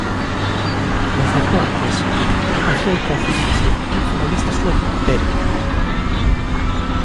Nos deportes, o Celta fíxase nun futbolista sueco, Terio.